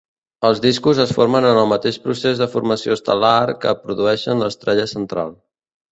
Els discos es formen en el mateix procés de formació estel·lar que produïxen l'estrella central.